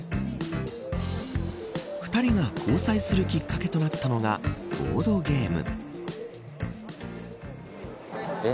２人が交際するきっかけとなったのがボードゲーム。